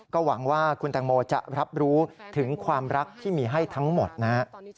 ก็หวังว่าคุณแตงโมจะรับรู้ถึงความรักที่มีให้ทั้งหมดนะฮะ